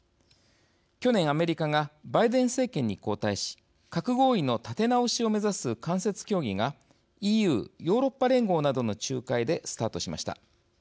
去年、アメリカがバイデン政権に交代し核合意の立て直しを目指す間接協議がＥＵ＝ヨーロッパ連合などの仲介でスタートしました。